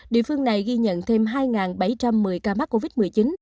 địa phương này ghi nhận thêm hai bảy trăm một mươi ca mắc covid một mươi chín